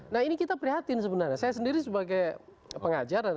nah ini kita prihatin sebenarnya saya sendiri sebagai pengajar